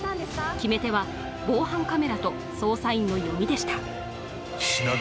決め手は防犯カメラと捜査員の読みでした。